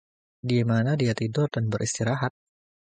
Dimana dia tidur dan beristirahat?